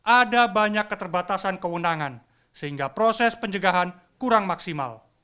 ada banyak keterbatasan keundangan sehingga proses penjagaan kurang maksimal